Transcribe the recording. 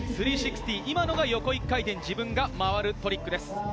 ３６０、今のが横１回転、自分が回るトリックです。